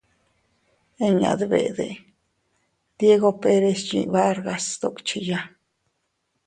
Inña dbede, Diego Pérez yiʼi Vargas sduckhiya.